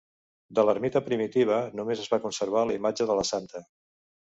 De l'ermita primitiva només es va conservar la imatge de la santa.